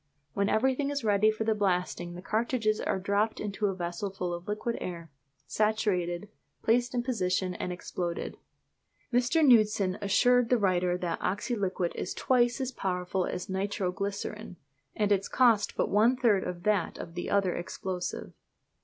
When everything is ready for the blasting the cartridges are dropped into a vessel full of liquid air, saturated, placed in position, and exploded. Mr. Knudsen assured the writer that oxyliquit is twice as powerful as nitro glycerine, and its cost but one third of that of the other explosive.